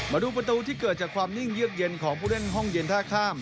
มาดูประตูที่เกิดจากความนิ่งเยือกเย็นของผู้เล่นห้องเย็นท่าข้าม